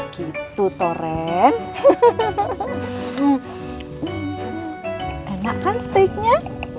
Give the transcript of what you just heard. gitu toren enak kan steaknya